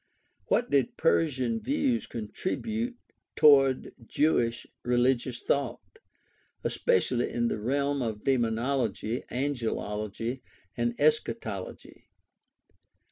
What did Persian views contribute toward Jewish religious thought, especially in the realms of demonology, angelology, and eschatology